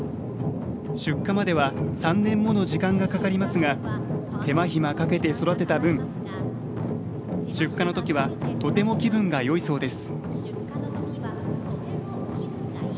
出荷までは３年もの時間がかかりますが手間暇かけて育てた分出荷の時はとても気分がよいそうです。